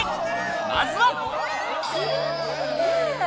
まずは。